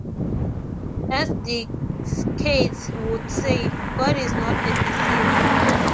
As Descartes would say, God is not a deceiver.